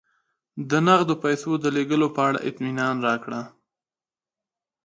د نغدو پیسو د لېږلو په اړه اطمینان راکړه.